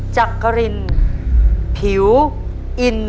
จักรินผิวอิน